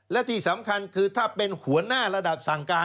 และที่สำคัญคือถ้าเป็นหัวหน้าระดับสั่งการ